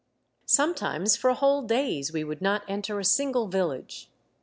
Sometimes for whole days we would not enter a single village.